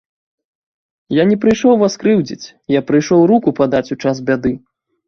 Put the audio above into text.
Я не прыйшоў вас крыўдзіць, я прыйшоў руку падаць у час бяды.